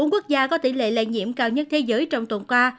bốn quốc gia có tỷ lệ lây nhiễm cao nhất thế giới trong tuần qua